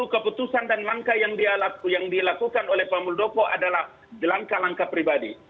keputusan dan langkah yang dilakukan oleh pak muldoko adalah langkah langkah pribadi